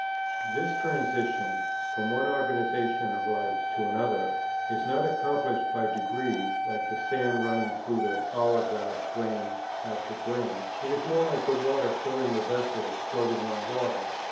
This transition from one organization of life to another is not accomplished by degrees like the sand running through the hourglass grain after grain. It is more like the water filling a vessel floating on water.